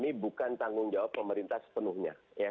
covid sembilan belas ini bukan tanggung jawab pemerintah sepenuhnya